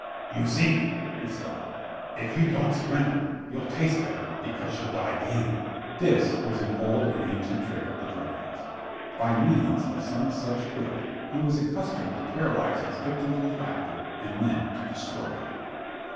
"You see," he said, "if you don't surrender you'll taste better because you'll die game." This was an old and ancient trick of the dragon's. By means of some such quip he was accustomed to paralyze his victims with laughter and then to destroy them.